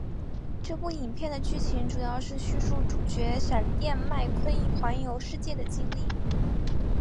这部影片的剧情主要是叙述主角闪电麦坤环游世界的经历。